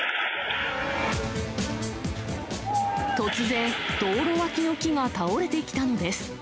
突然、道路脇の木が倒れてきたのです。